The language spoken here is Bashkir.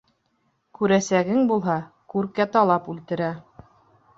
Күрәсәгең булһа, күркә талап үлтерә.